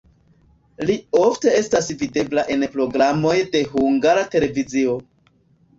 Li ofte estas videbla en programoj de Hungara Televizio.